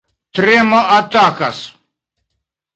Tremo atakas.